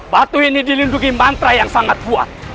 batu ini dilindungi mantra yang sangat kuat